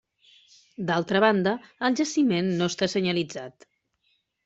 D'altra banda el jaciment no està senyalitzat.